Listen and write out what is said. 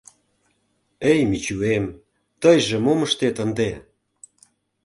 — Эй, Мичуэм, тыйже мом ыштет ынде!..